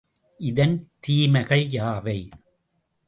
இதன் தீமைகள் யாவை?